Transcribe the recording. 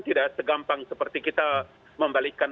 tidak segampang seperti kita membalikan